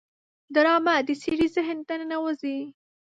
ډرامه د سړي ذهن ته ننوزي